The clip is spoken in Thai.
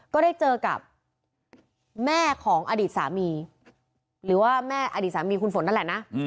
ก็ได้เจอกับแม่ของอดีตสามีหรือว่าแม่อดีตสามีคุณฝนนั่นแหละนะ